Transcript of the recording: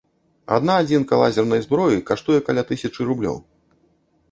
Адна адзінка лазернай зброі каштуе каля тысячы рублёў.